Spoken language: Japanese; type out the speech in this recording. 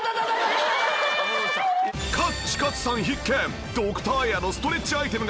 カッチカチさん必見！